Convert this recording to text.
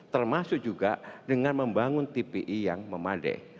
termasuk juga dengan membangun tpi yang memadai